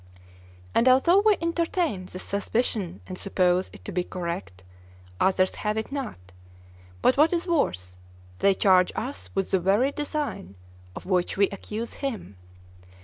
And although we entertain this suspicion and suppose it to be correct, others have it not; but what is worse, they charge us with the very design of which we accuse him.